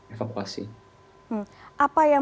evakuasi apa yang